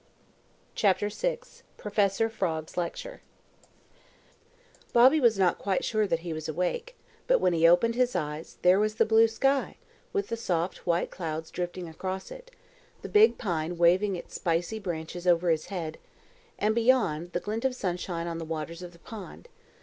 CHARLES MACKAY PROFESSOR FROG'S LECTURE Bobby was not quite sure that he was awake, but when he opened his eyes there was the blue sky, with the soft, white clouds drifting across it, the big pine waving its spicy branches over his head, and beyond, the glint of sunshine on the waters of the pond.